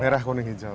merah kuning hijau